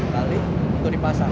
lalu itu dipasang